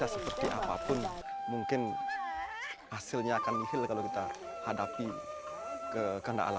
ini nengah murni ati berharap semua pengungsi dapat hidup sehat walaupun berada di tempat pengungsi